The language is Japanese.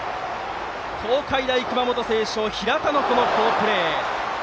東海大熊本星翔の平太の好プレー。